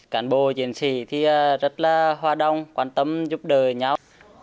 cán bộ chiến sĩ thì rất là hoa đông quan tâm giúp đỡ nhau